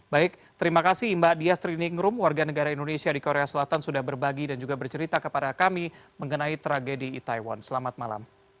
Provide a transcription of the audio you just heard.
baik terima kasih mbak dias triningrum warga negara indonesia di korea selatan sudah berbagi dan juga bercerita kepada kami mengenai tragedi itaewon selamat malam